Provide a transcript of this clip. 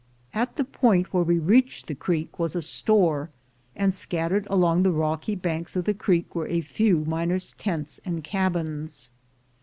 At the point where we reached the Creek was a store, and scattered along the rocky banks of the Creek were a few miners' tents and cabins.